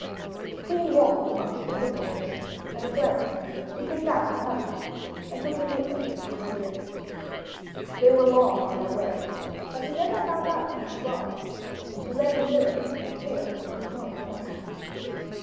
The queen walked about amongst the prisoners, and at length she picked out her husband and took him with her on her journey. They were long on their way, but he never found out who she was, and she led him nearer and nearer to his own country.